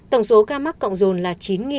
tổng số ca mắc cộng rồn là chín ba trăm bốn mươi chín